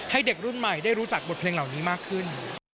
เด็กรุ่นใหม่ได้รู้จักบทเพลงเหล่านี้มากขึ้น